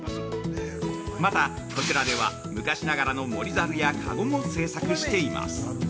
また、こちらでは昔ながら盛りざるやかごも製作しています。